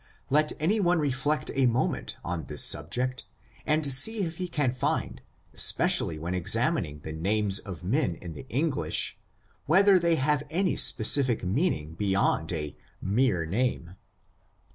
Let any one reflect a moment on this subject, and see if he can find, especially when examining the names of men in the English, whether they have any specific meaning beyond a mere name.